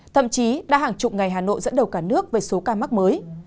thậm chí đã hàng chục ngày hà nội dẫn đầu cả nước về số ca mắc mới